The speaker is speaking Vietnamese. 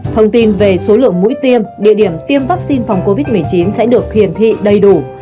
thông tin về số lượng mũi tiêm địa điểm tiêm vaccine phòng covid một mươi chín sẽ được hiển thị đầy đủ